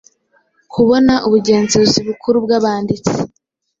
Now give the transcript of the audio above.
kubona ubugenzuzi bukuru bwabanditsi